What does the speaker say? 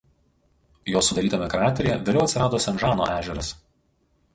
Jo sudarytame krateryje vėliau atsirado Sen Žano ežeras.